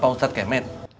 pak ustaz kayak men